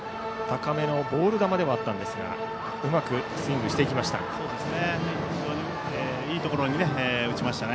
高めのボール球でしたがうまくスイングしていきました。